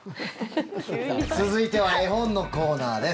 続いては絵本のコーナーです。